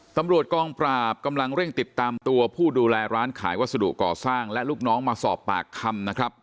ตำรวจกองปราบกำลังเร่งติดตามตัวผู้ดูแลร้านขายวัสดุก่อสร้างและลูกน้องมาสอบปากคำนะครับ